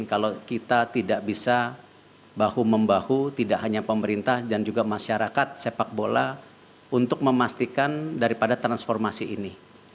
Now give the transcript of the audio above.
kalau kita tidak bisa bahu membahu tidak hanya pemerintah dan juga masyarakat sepak bola untuk memastikan daripada transformasi ini